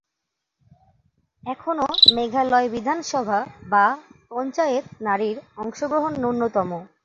এখনও মেঘালয় বিধানসভা বা পঞ্চায়েত নারীর অংশগ্রহণ নূন্যতম।